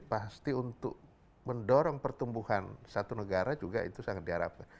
pasti untuk mendorong pertumbuhan satu negara juga itu sangat diharapkan